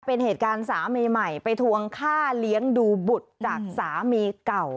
เป็นเหตุการณ์สามีใหม่ไปทวงค่าเลี้ยงดูบุตรจากสามีเก่า